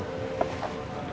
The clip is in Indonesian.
gue butuh bantuan lo berdua